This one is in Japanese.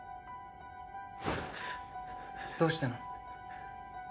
どうしたの？